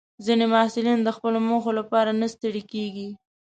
ځینې محصلین د خپلو موخو لپاره نه ستړي کېږي.